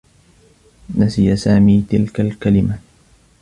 نسي سامي تلك الكلمة.